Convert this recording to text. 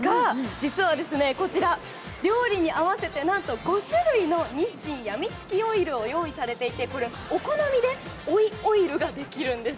実は料理に合わせて５種類の日清やみつきオイルが用意されていてこれはお好みで追いオイルができるんです。